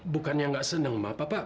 bukannya nggak seneng mak